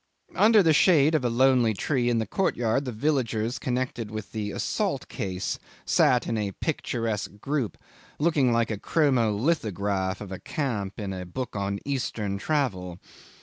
Under the shade of a lonely tree in the courtyard, the villagers connected with the assault case sat in a picturesque group, looking like a chromo lithograph of a camp in a book of Eastern travel.